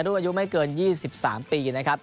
อายุไม่เกิน๒๓ปีนะครับ